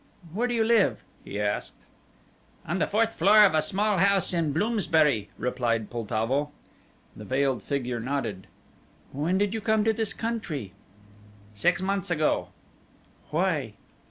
"Where do you live?" he asked. "On the fourth floor of a small house in Bloomsbury," replied Poltavo. The veiled figure nodded. "When did you come to this country?" "Six months ago." "Why?"